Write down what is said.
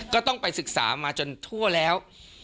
ก็ต้องไปศึกษามาจนทั่วแล้ว